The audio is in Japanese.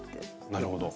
なるほど。